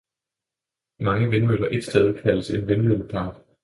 Mange vindmøller et sted kaldes en vindmøllepark.